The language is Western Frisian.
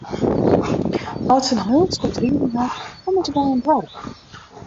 Nei't se in hiel skoft riden ha, komme se by in doarp.